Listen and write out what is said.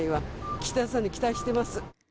岸田さんに期待しております。